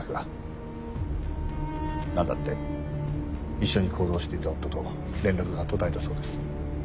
一緒に行動していた夫と連絡が途絶えたそうです。